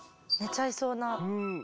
寝ちゃいそうな。